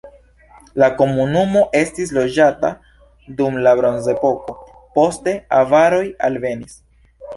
La komunumo estis loĝata dum la bronzepoko, poste avaroj alvenis.